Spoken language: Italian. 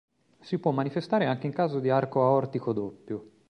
Si può manifestare anche in caso di arco aortico doppio.